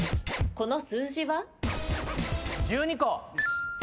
この数字は？